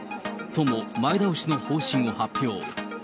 都も前倒しの方針を発表。